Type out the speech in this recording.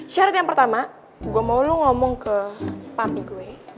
syarat yang pertama gue mau lu ngomong ke public gue